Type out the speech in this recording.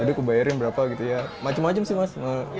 jadi kubayarin berapa gitu ya macam macam sih mas